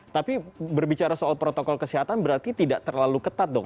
tapi berbicara soal protokol kesehatan berarti tidak terlalu ketat dong